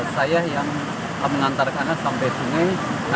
saya yang mengantarkan anak sampai sungai